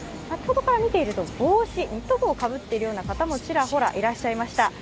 先ほどから見ているとニット帽をかぶっているような方もちらほらいました。